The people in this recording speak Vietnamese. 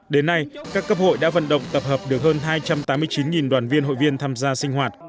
đến nay các cấp hội đã vận động tập hợp được hơn hai trăm tám mươi chín đoàn viên hội viên tham gia sinh hoạt